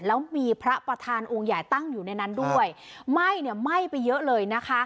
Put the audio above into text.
แล้วมีพระประธานองค์ใหญ่ตั้งอยู่ในนั้นด้วยไหม้เนี่ยไหม้ไปเยอะเลยนะคะ